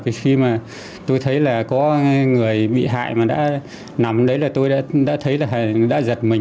thì khi mà tôi thấy là có người bị hại mà đã nằm đấy là tôi đã thấy là đã giật mình